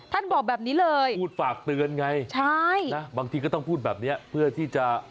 ท่านบอกแบบนี้เลยใช่นะบางทีก็ต้องพูดแบบนี้เพื่อที่จะ